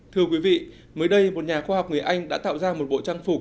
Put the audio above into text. thưa quý vị mới đây một nhà khoa học người anh đã tạo ra một bộ trang phục